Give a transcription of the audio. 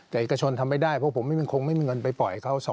แต่เอกชนทำไม่ได้เพราะผมไม่มีเงินไปปล่อยเขา